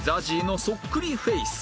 ＺＡＺＹ のそっくりフェイス